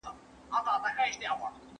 کتاب له تحلیلي بحثونو ډک دی.